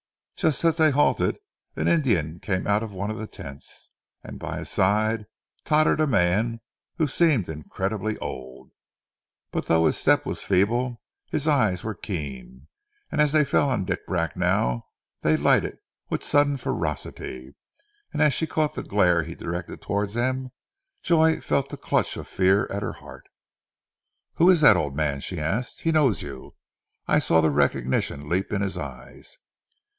Just as they halted, a tall Indian came out of one of the tents, and by his side tottered a man who seemed incredibly old, but though his step was feeble, his eyes were keen, and as they fell on Dick Bracknell they lighted with sudden ferocity, and as she caught the glare he directed towards them, Joy felt the clutch of fear at her heart. "Who is that old man?" she asked. "He knows you. I saw the recognition leap in his eyes."